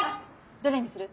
どれにする？